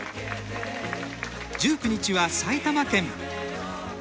１９日は埼玉県。